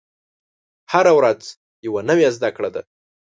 هره ورځ یوه نوې زده کړه ده.